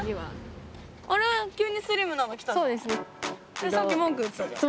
それさっき文句言ってたじゃん。